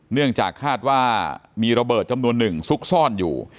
เนื่องจากคาดว่ามีระเบิดจำนวนหนึ่งซุกซ่อนอยู่